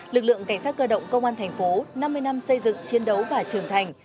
lực lượng cảnh sát cơ động công an thành phố năm mươi năm xây dựng chiến đấu và trưởng thành